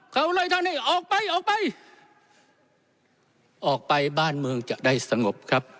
เขาเลยทำให้ออกไปออกไปบ้านเมืองจะได้สงบครับ